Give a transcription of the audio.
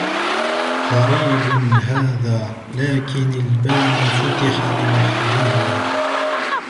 غريب هذا، لكن الباب فتح لوحده.